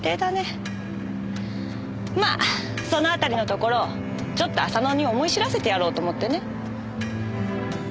まあそのあたりのところをちょっと浅野に思い知らせてやろうと思ってね。